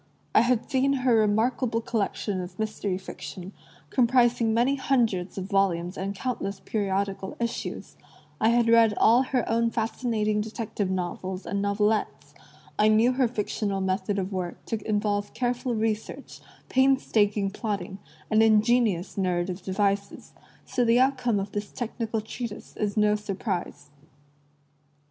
I had seen her remarkable collection of mystery fiction, comprising many hundreds of volumes and count' ess periodical issues; I had read all her own fascinating detective novels and novelettes; I knew her fictional method of work to involve careful research, painstaking plotting, and ingenious narrative devices; so the outcome of this technical treatise is no surprise.